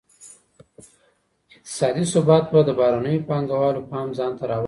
اقتصادي ثبات به د بهرنیو پانګوالو پام ځانته را واړوي.